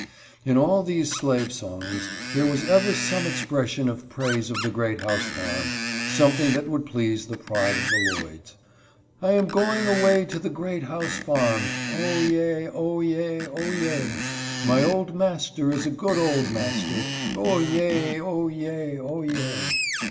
In all these slave songs there was ever some expression of praise of the Great House farm — something that would please the pride of the Lloyds. I am going away to the Great House farm, O, yea! O, yea! O, yea! My old master is a good old master, O, yea ! O, yea ! O, yea